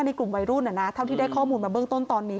ในกลุ่มวัยรุ่นเท่าที่ได้ข้อมูลมาเบื้องต้นตอนนี้